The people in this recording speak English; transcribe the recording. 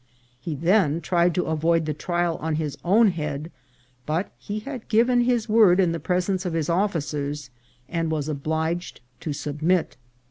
He then tried to avoid the trial on his own head, but he had given his word in the presence of his officers, and was obliged to submit.